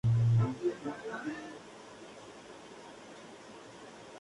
Las especies de esta subtribu son hierbas anuales, perennes o arbustos.